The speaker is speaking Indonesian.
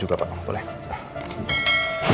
kita bukan kebanyakan elektronik justin